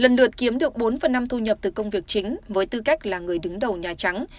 lần lượt kiếm được bốn phần năm thu nhập từ công việc chính với tư cách là người đứng đầu nhà trắng